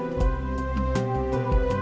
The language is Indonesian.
mana upsah saya mau pamit